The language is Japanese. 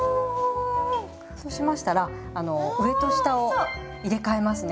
そうしましたら上と下を入れ替えますね。